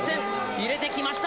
入れてきました！